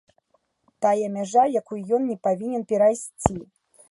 Тая мяжа, якую ён не павінен перайсці.